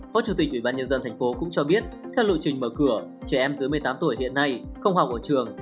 phó chủ tịch ubnd tp hcm cũng cho biết theo lộ trình mở cửa trẻ em giữa một mươi tám tuổi hiện nay không học ở trường